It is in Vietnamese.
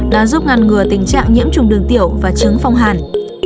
nó giúp ngăn ngừa tình trạng nhiễm trùng đường tiểu và chứng phong hàn